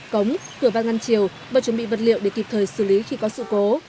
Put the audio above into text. cống cửa van ngăn chiều và chuẩn bị vật liệu để kịp thời xử lý khi có sự cố